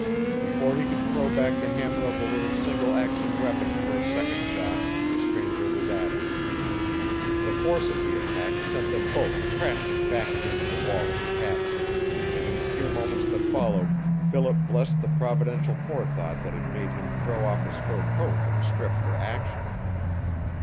Before he could throw back the hammer of the little single action weapon for a second shot the stranger was at him. The force of the attack sent them both crashing back against the wall of the cabin, and in the few moments that followed Philip blessed the providential forethought that had made him throw off his fur coat and strip for action.